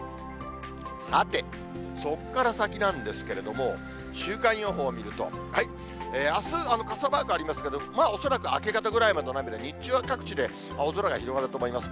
さて、そこから先なんですけれども、週間予報見ると、あす、傘マークありますけど、まあ恐らく明け方ぐらいまでの雨で、日中は各地で青空が広がると思います。